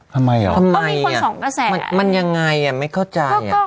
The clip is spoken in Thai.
ทำไมอ่ะมันยังไงอ่ะไม่เข้าใจอ่ะ